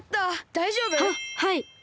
だいじょうぶ？ははい。